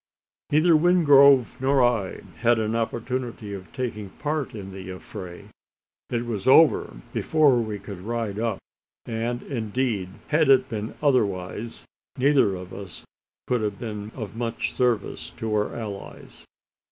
Neither Wingrove nor I had an opportunity of taking part in the affray. It was over before we could ride up; and, indeed, had it been otherwise, neither of us could have been of much service to our allies.